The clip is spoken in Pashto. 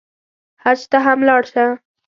حج ته هم لاړ شه.